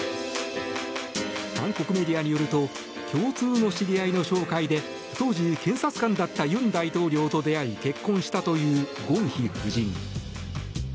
韓国メディアによると共通の知り合いの紹介で当時、検察官だった尹大統領と出会い結婚したというゴンヒ夫人。